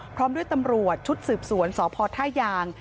พร้อมด้วยตำรวจชุดสืบสวนสพท่ายาง